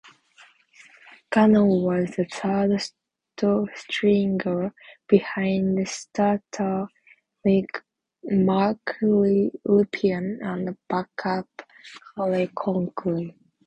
Gannon was the third-stringer behind starter Mark Rypien and backup Cary Conklin.